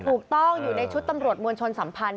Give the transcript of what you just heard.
อยู่ในชุดตำรวจมวลชนสัมพันธ์